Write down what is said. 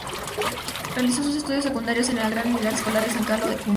Realizó sus estudios secundarios en la Gran Unidad Escolar San Carlos de Puno.